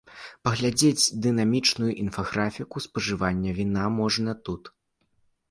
Паглядзець дынамічную інфаграфіку спажывання віна можна тут.